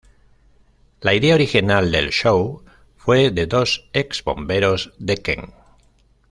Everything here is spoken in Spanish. La idea original del show fue de dos ex bomberos de Kent.